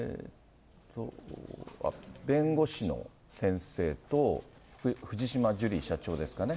弁護士の先生と藤島ジュリー社長ですかね。